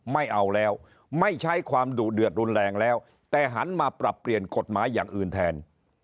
ไม่เอาแล้วไม่ใช้ความดุเดือดรุนแรงแล้วแต่หันมาปรับเปลี่ยนกฎหมายอย่างอื่นแทน